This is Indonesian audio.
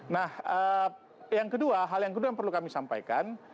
nah hal yang kedua yang perlu kami sampaikan